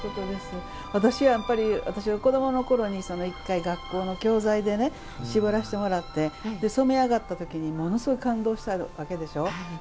私が子どものころに学校の教材で絞らせてもらって染め上がった時にものすごい感動したわけでしょ。